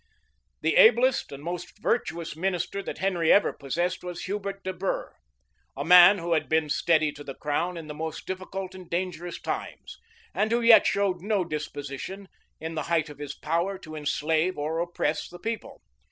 * M. Paris, p. 233. M. Paris, p. 233. M. Paris, p. 233. The ablest and most virtuous minister that Henry ever possessed was Hubert de Burgh;[*] a man who had been steady to the crown in the most difficult and dangerous times, and who yet showed no disposition, in the height of his power, to enslave or oppress the people.